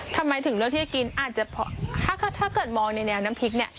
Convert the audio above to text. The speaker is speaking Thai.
ทำไมถึงเลือกที่จะกินอาจจะเพราะถ้าเกิดมองในแนวน้ำพริกเนี่ย